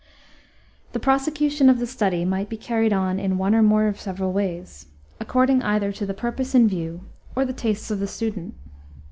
2. The prosecution of the study might be carried on in one or more of several ways, according either to the purpose in view or the tastes of the student.